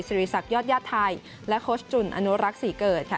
ริสักยอดญาติไทยและโค้ชจุนอนุรักษ์ศรีเกิดค่ะ